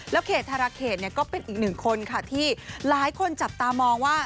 เขตธาราเขตก็เป็นอีกหนึ่งคนค่ะที่หลายคนจับตามองว่า